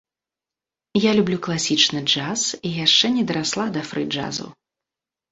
Я люблю класічны джаз, і яшчэ не дарасла да фры джазу.